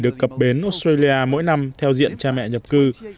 được cập bến australia mỗi năm theo diện cha mẹ nhập cư